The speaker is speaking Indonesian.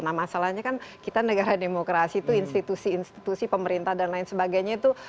nah masalahnya kan kita negara demokrasi itu institusi institusi pemerintah dan lain sebagainya itu